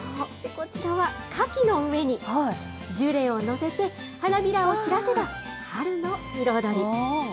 こちらは、カキの上にジュレを載せて、花びらを散らせば、春の彩り。